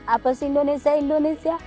apa sih indonesia indonesia